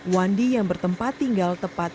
wandi yang bertempat tinggal tepat